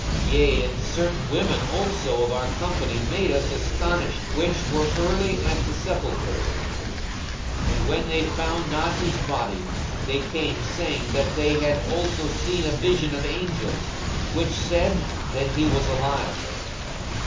42:024:022 Yea, and certain women also of our company made us astonished, which were early at the sepulchre; 42:024:023 And when they found not his body, they came, saying, that they had also seen a vision of angels, which said that he was alive.